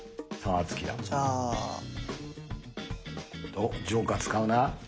おジョーカー使うな。